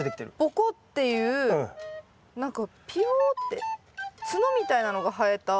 ぼこっていう何かぴよってツノみたいなのが生えた。